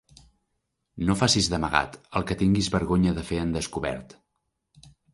No facis d'amagat el que tinguis vergonya de fer en descobert.